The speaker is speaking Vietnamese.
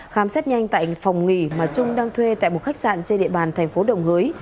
khám xét nhanh tại phòng nghỉ mà trung đang thuê tại một khách sạn trên địa bàn thành phố đồng hới